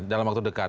dalam waktu dekat